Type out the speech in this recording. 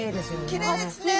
きれいですね！